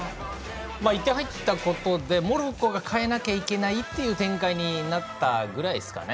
１点、入ったことによってモロッコが変えなきゃいけないっていう展開になったぐらいですかね。